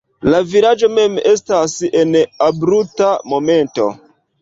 La vilaĝo mem estas en abrupta monteto.